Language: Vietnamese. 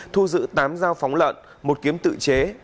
thu giữ tám dao phóng lợn một kiếm tự chế